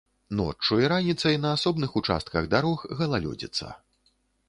Ноччу і раніцай на асобных участках дарог галалёдзіца.